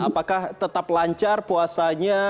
apakah tetap lancar puasanya